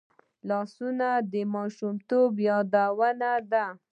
لاسونه د ماشومتوب یادونه ده